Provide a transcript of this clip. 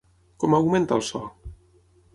Com augmenta el so?